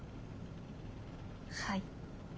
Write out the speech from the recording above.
はい。